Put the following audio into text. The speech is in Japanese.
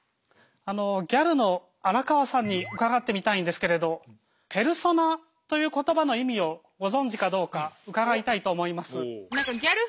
あのギャルの荒川さんに伺ってみたいんですけれど「ペルソナ」という言葉の意味をご存じかどうか伺いたいと思います。